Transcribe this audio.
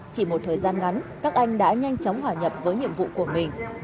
chỉ một thời gian ngắn các anh đã nhanh chóng hòa nhập với nhiệm vụ của mình